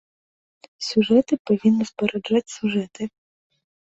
Сюжэты павінны спараджаць сюжэты.